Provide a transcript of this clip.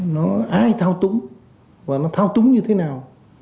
nó ai thao túng và nó thao túng như thế nào